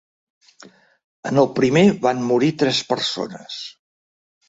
En el primer van morir tres persones.